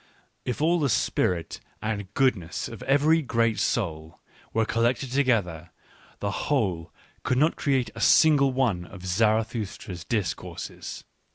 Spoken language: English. If all the spirit and goodness of every great soul were collected together, the whole could not create a single one of Zara thustra's discourses.